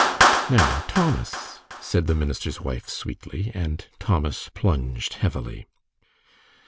"Now, Thomas," said the minister's wife, sweetly, and Thomas plunged heavily.